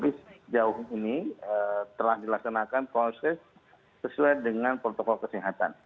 tapi sejauh ini telah dilaksanakan proses sesuai dengan protokol kesehatan